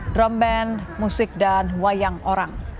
drum band musik dan wayang orang